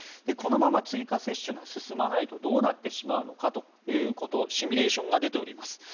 このまま追加接種が進まないとどうなってしまうのかということシミュレーションが出ております。